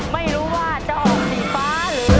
ไม่รู้ว่าจะออกสีฟ้าหรือสีชมพู